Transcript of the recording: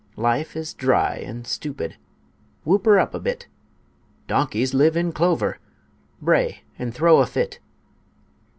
Life is dry and stupid; whoop her up a bit! Donkeys live in clover; bray and throw a fit!